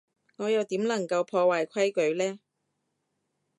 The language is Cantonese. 我又點能夠破壞規矩呢？